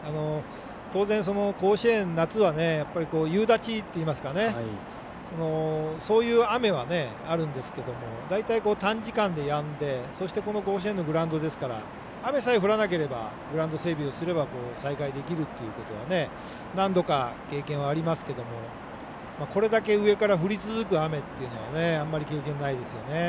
当然、甲子園、夏は夕立といいますかそういう雨はあるんですけど大体、短時間でやんでそして甲子園のグラウンドですから雨さえ降らなければグラウンド整備をすれば再開できるということは何度か経験はありますけどこれだけ上から降り続く雨というのはあんまり経験ないですよね。